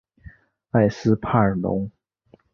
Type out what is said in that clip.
埃斯帕尔龙。